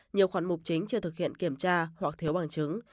nhiều khoản mục chính chưa thực hiện kiểm tra hoặc thiếu bằng chứng